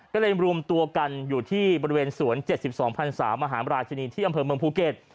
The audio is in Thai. ก็เลยรวมตัวกันอยู่ที่บริเวณสวน๗๒พันศามหาราชินีที่อำเภอเมืองภูเก็ต